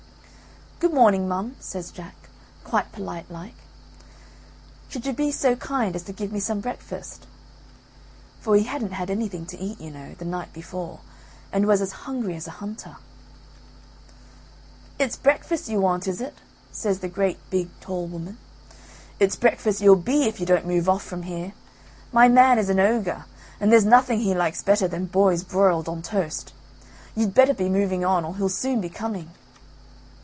"Good morning, mum," says Jack, quite polite like. "Could you be so kind as to give me some breakfast." For he hadn't had anything to eat, you know, the night before and was as hungry as a hunter. "It's breakfast you want, is it?" says the great big tall woman, "it's breakfast you'll be if you don't move off from here. My man is an ogre and there's nothing he likes better than boys broiled on toast. You'd better be moving on or he'll soon be coming."